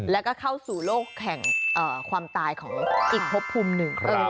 แล้วก็เข้าสู่โลกแห่งความตายของอีกพบภูมิหนึ่ง